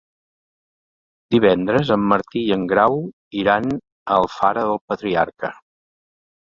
Divendres en Martí i en Grau iran a Alfara del Patriarca.